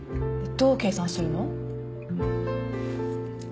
どう計算するの？